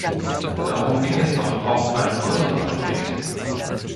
Darum ging es doch auch beim Kosovo-Konflikt.